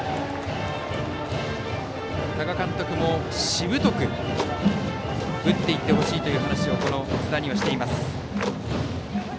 多賀監督もしぶとく打っていってほしいという話を津田にしています。